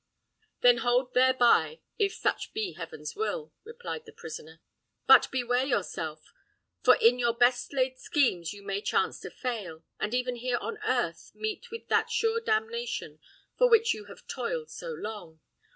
"Then hold thereby, if such be heaven's will," replied the prisoner. "But beware yourself; for in your best laid schemes you may chance to fail, and even here on earth meet with that sure damnation for which you have toiled so long.